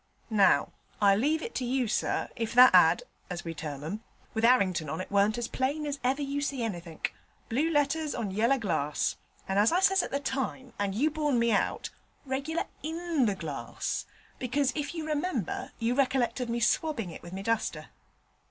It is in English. Now, I leave it to you, sir, if that ad., as we term 'em, with 'Arrington on it warn't as plain as ever you see anythink blue letters on yeller glass, and as I says at the time, and you borne me out, reg'lar in the glass, because, if you remember, you recollect of me swabbing it with my duster.'